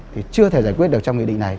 thì chưa thể giải quyết được trong nghị định này